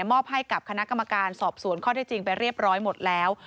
มอบให้กับคณะกรรมการสอบสวนข้อที่จริงไปเรียบร้อยหมดแล้ว